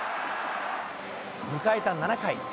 迎えた７回。